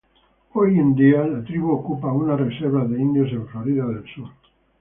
Hoy día la tribu ocupa unas reservas de indios en Florida del sur.